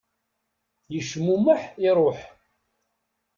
Yecmumeḥ, iruḥ.